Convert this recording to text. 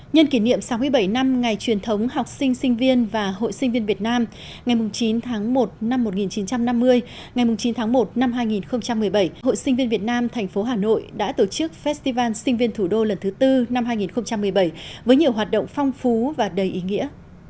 nhân kỷ niệm sáu mươi bảy năm ngày truyền thống học sinh sinh viên và hội sinh viên việt nam ngày chín tháng một năm một nghìn chín trăm năm mươi ngày chín tháng một năm hai nghìn một mươi bảy hội sinh viên việt nam thành phố hà nội đã tổ chức festival sinh viên thủ đô lần thứ tư năm hai nghìn một mươi bảy với nhiều hoạt động phong phú và đầy ý nghĩa